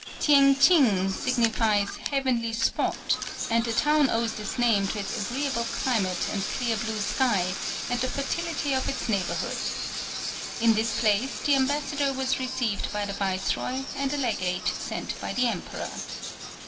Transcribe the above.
] Tieng Tsing signifies "heavenly spot," and the town owes this name to its agreeable climate and clear blue sky, and the fertility of its neighbourhood. In this place, the ambassador was received by the viceroy and a legate sent by the emperor.